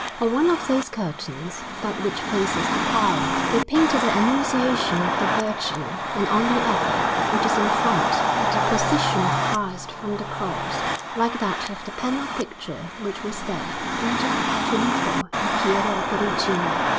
On one of those curtains, that which faces the choir, they painted the Annunciation of the Virgin; and on the other, which is in front, a Deposition of Christ from the Cross, like that of the panel picture which was there, painted by Filippo and Pietro Perugino.